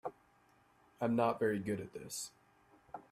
I'm not very good at this.